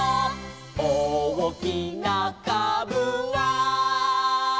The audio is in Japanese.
「おおきなかぶは」